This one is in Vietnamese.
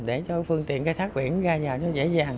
để cho phương tiện khai thác biển ra nhà nó dễ dàng